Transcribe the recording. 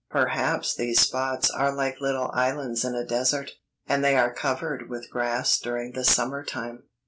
Perhaps these spots are like little islands in a desert, and they are covered with grass during the summer time."